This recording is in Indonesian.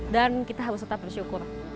dan kita harus tetap bersyukur